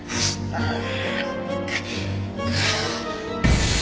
ああ。